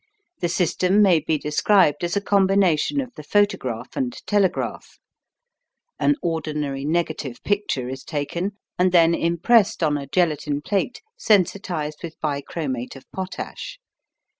The system may be described as a combination of the photograph and telegraph. An ordinary negative picture is taken, and then impressed on a gelatine plate sensitised with bichromate of potash.